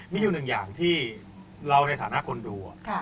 มีอยู่หนึ่งอย่างที่เราในฐานะคนดู